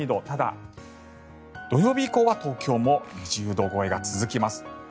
ただ、土曜日以降は東京も２０度超えが続きます。